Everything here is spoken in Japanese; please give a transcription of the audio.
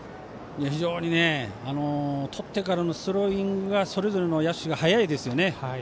非常にとってからのスローイングがそれぞれの野手が早いですよね。